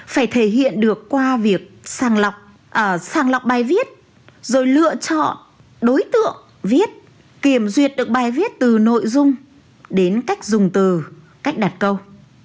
phải thể hiện được qua việc sàng lọc sàng lọc bài viết rồi lựa chọn đối tượng viết kiểm duyệt được bài viết từ nội dung đến cách dùng từ cách đặt câu